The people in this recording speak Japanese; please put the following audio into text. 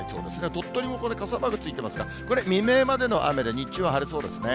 鳥取もこれ、傘マークついてますか、これ、未明までの雨で日中は晴れそうですね。